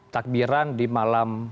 takbiran di malam